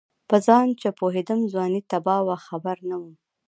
په ځان چې پوهېدم ځواني تباه وه خبر نه وم